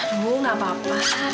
ibu gak apa apa